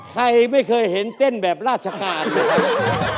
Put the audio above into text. ใครไม่เคยเห็นเต้นแบบราชการเลยนะครับ